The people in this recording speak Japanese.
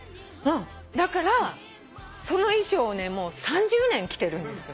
だからその衣装をもう３０年着てるんですよ。